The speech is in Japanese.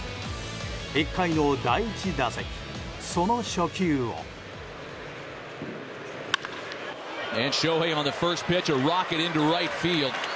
１回の第１打席、その初球を。